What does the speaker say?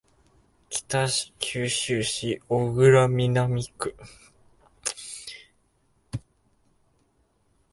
北九州市小倉南区